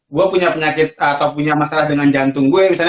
gue punya penyakit atau punya masalah dengan jantung gue misalnya